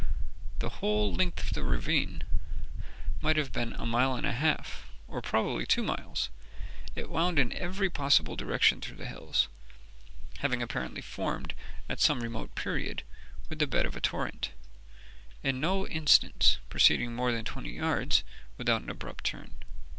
The whole length of the ravine might have been a mile and a half, or probably two miles. It wound in every possible direction through the hills (having apparently formed, at some remote period, the bed of a torrent), in no instance proceeding more than twenty yards without an abrupt turn.